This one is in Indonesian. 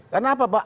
karena apa pak